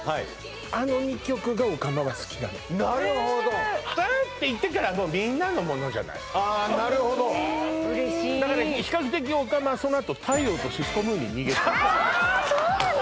あの２曲がオカマは好きなのなるほどバンっていってからみんなのものじゃないなるほど嬉しいだから比較的オカマはそのあと太陽とシスコムーンに逃げたのあっそうなの？